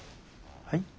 はい？